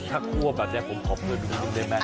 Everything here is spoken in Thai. ถ้าคั่วแบบแดงผมพอบเลยมีนิดนึงได้ไหม